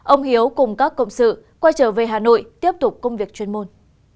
ông hiếu cùng các cộng sự quay trở về hà nội tiếp tục công việc chuyên môn